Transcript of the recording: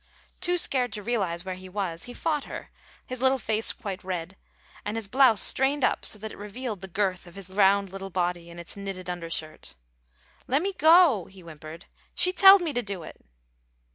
Too scared to realize where he was, he fought her, his little face quite red, and his blouse strained up so that it revealed the girth of his round little body in its knitted undershirt. "Le' me go," he whimpered; "she telled me to do it."